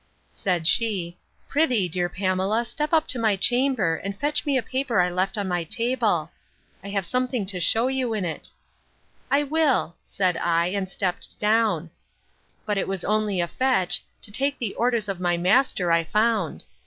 —Said she, Pr'ythee, dear Pamela, step to my chamber, and fetch me a paper I left on my table. I have something to shew you in it. I will, said I, and stepped down; but that was only a fetch, to take the orders of my master, I found.